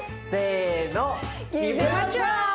せの。